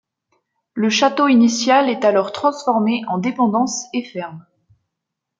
Le château initial est alors transformé en dépendance et ferme.